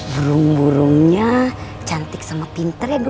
burung burungnya cantik sama pinter ya dong moe